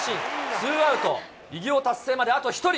ツーアウト、偉業達成まであと１人。